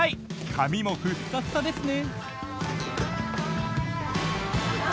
髪もふっさふさですね］